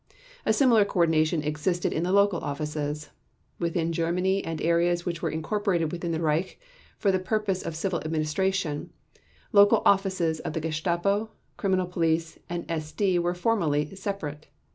A similar coordination existed in the local offices. Within Germany and areas which were incorporated within the Reich for the purpose of civil administration, local offices of the Gestapo, Criminal Police, and SD were formally separate.